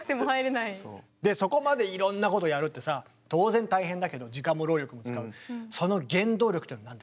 そこまでいろんなことやるってさ当然大変だけど時間も労力も使うその原動力っていうのは何ですか？